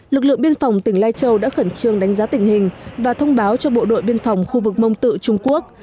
lực lượng biên phòng tỉnh lai châu đã khẩn trương đánh giá tình hình và thông báo cho bộ đội biên phòng khu vực mông tự trung quốc